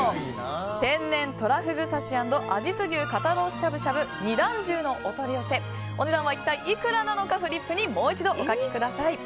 天然とらふぐ刺し＆阿知須牛肩ロースしゃぶしゃぶ２段重のお取り寄せお値段は一体いくらなのかフリップにもう一度お書きください。